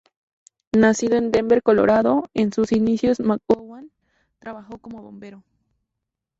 Nacido en Denver, Colorado, en sus inicios McGowan trabajó como bombero.